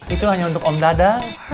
itu hanya untuk om dada